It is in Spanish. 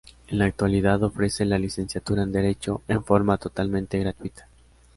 En la actualidad ofrece la Licenciatura en Derecho en forma totalmente gratuita.